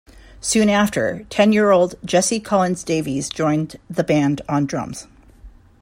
Soon after, ten-year-old Jesse Collins-Davies, joined the band on drums.